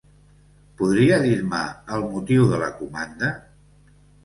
Podria dir-me el motiu de la comanda?